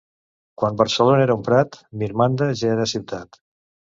Quan Barcelona era un prat, Mirmanda ja era ciutat.